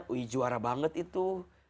wih juara banget itu